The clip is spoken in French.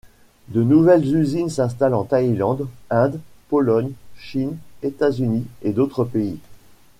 De nouvelles usines s’installent en Thaïlande, Inde, Pologne, Chine, États-Unis et d’autres pays.